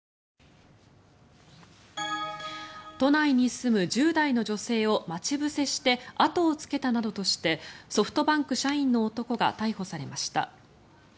都内に住む１０代の女性を待ち伏せして後をつけたなどとしてソフトバンク社員の男が逮捕されました。